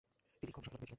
তিনি কম সফলতা পেয়েছিলেন।